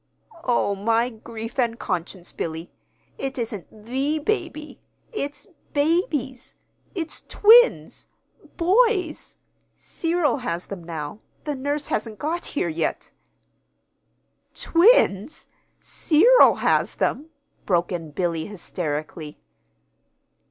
"Oh, my grief and conscience, Billy! It isn't the baby. It's babies! It's twins boys. Cyril has them now the nurse hasn't got here yet." "Twins! Cyril has them!" broke in Billy, hysterically.